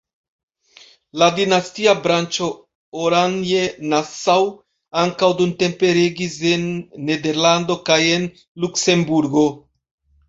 La dinastia branĉo Oranje-Nassau ankaŭ dumtempe regis en Nederlando kaj en Luksemburgo.